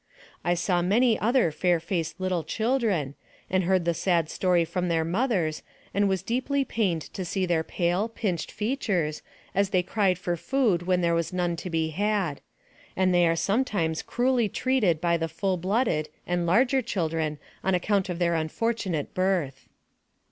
I saw many other fair faced little children, and heard the sad story from their mothers, and was deeply pained to see their pale, pinched features, as they cried for food when there was none to be had ; and they are sometimes cruelly treated by the full blooded and larger children on account of their unfortunate birth.